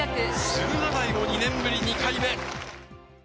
駿河台も２年ぶり２回目。